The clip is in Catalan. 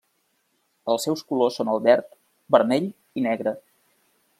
Els seus colors són el verd, vermell i negre.